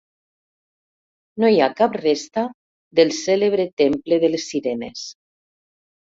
No hi ha cap resta del cèlebre temple de les Sirenes.